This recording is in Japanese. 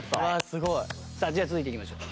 すごい。さあじゃあ続いていきましょう。